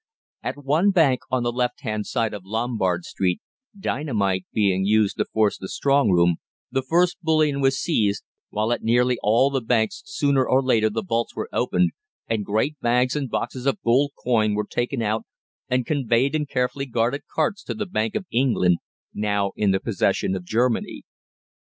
At one bank on the left hand side of Lombard Street, dynamite being used to force the strong room, the first bullion was seized, while at nearly all the banks sooner or later the vaults were opened, and great bags and boxes of gold coin were taken out and conveyed in carefully guarded carts to the Bank of England, now in the possession of Germany.